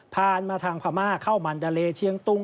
ผ่านมาทางพม่าเข้ามันดาเลเชียงตุง